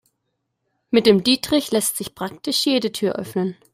Mit dem Dietrich lässt sich praktisch jede Tür öffnen.